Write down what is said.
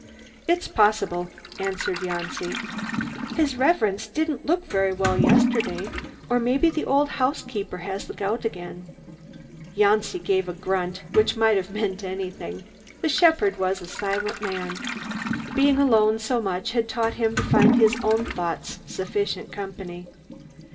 "It's possible," answered Janci. "His Reverence didn't look very well yesterday, or maybe the old housekeeper has the gout again." Janci gave a grunt which might have meant anything. The shepherd was a silent man. Being alone so much had taught him to find his own thoughts sufficient company.